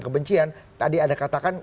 kebencian tadi anda katakan